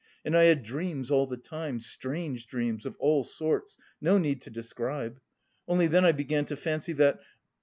And I had dreams all the time, strange dreams of all sorts, no need to describe! Only then I began to fancy that...